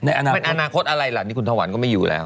อนาคตอะไรล่ะนี่คุณทวันก็ไม่อยู่แล้ว